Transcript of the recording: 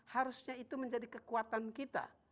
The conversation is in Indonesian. harusnya itu menjadi kekuatan kita